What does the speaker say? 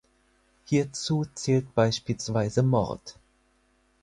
Hierzu zählt beispielsweise Mord.